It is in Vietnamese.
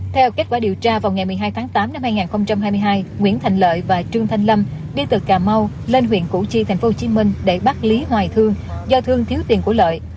theo kết quả điều tra vào ngày một mươi hai tháng tám năm hai nghìn hai mươi hai nguyễn thành lợi và trương thanh lâm đi từ cà mau lên huyện củ chi tp hcm để bắt lý hoài thương do thương thiếu tiền của lợi